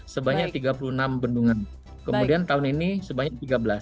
sebanyak tiga puluh enam bendungan kemudian tahun ini sebanyak tiga belas